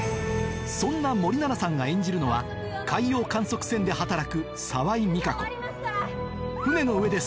そんな森七菜さんが演じるのは海洋観測船で働く沢井美香子